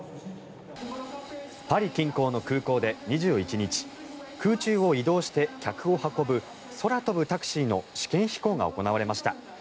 パリ近郊の空港で２１日空中を移動して客を運ぶ空飛ぶタクシーの試験飛行が行われました。